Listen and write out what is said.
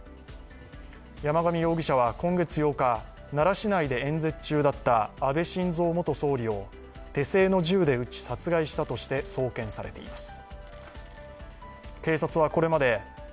山上容疑者は今月８日、奈良市内で演説中だった安倍晋三元総理を手製の銃で撃ち、殺害したとして送検されています。